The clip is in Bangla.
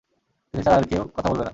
তিনি ছাড়া আর কেউ কথা বলবে না।